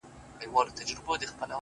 دا سدی پرېږده دا سړی له سړيتوبه وځي _